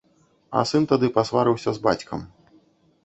А сын тады пасварыўся з бацькам.